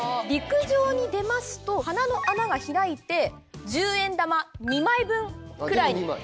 陸上に出ますと鼻の穴が開いて１０円玉２枚分くらいに。